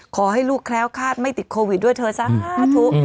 ขอให้ลูกแคล้วคาดไม่ติดโควิดด้วยเธอสักสาธุ